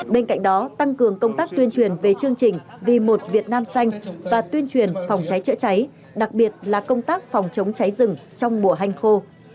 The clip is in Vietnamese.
bên cạnh đó tăng cường công tác tuyên truyền về chương trình vì một việt nam xanh và tuyên truyền phòng cháy chữa cháy đặc biệt là công tác phòng chống cháy rừng trong mùa hanh khô